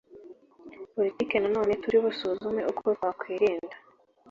poritiki nanone turi busuzume uko twakwirinda